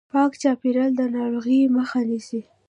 پاک چاپیریال د ناروغیو مخه نیسي.